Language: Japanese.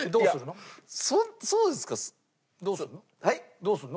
どうするの？